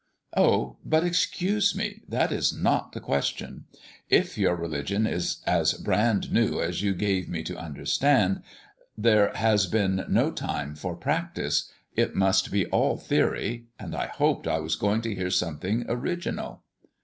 "Oh, but excuse me; that is not the question. If your religion is as brand new as you gave me to understand, there has been no time for practice. It must be all theory, and I hoped I was going to hear something original."